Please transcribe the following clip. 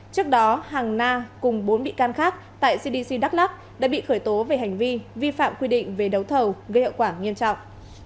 trước đó hàng na cùng bốn bị can khác tại cdc đắk lắc đã bị khởi tố về hành vi vi phạm quy định về đấu thầu gây hậu quả nghiêm trọng